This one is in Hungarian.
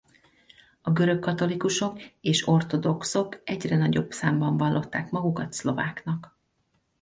A görögkatolikusok és ortodoxok egyre nagyobb számban vallották magukat szlováknak.